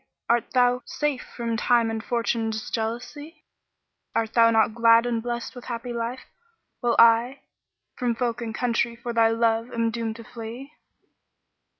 art thou safe from Time and Fortune's jealousy? Art thou not glad and blest with happy life, while I * From folk and country for thy love am doomed flee?"